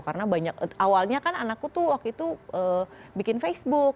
karena banyak awalnya kan anakku tuh waktu itu bikin facebook